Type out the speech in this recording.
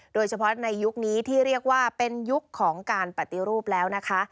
โดยเฉพาะในยุคนี้ที่เรียกว่าเป็นยุคของการปฏิรูปแล้วนะคะ